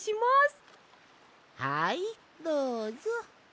はいどうぞ。